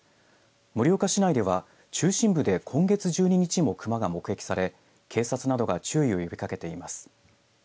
盛岡市内では中心部で今月１２日もクマが目撃され警察などが注意を呼びかけています。